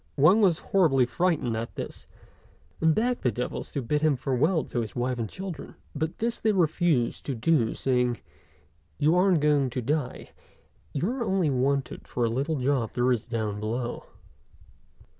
Wang was horribly frightened at this, and begged the devils to let him bid farewell to his wife and children; but this they refused to do, saying, "You aren't going to die; you are only wanted for a little job there is down below."